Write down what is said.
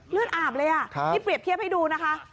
เลือดอาบเลยอ่ะนี่เปรียบเทียบให้ดูนะคะ